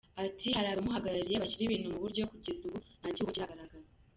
Ati “Hari abamuhagarariye bashyira ibintu buryo, kugeza ubu nta cyuho kigaragara.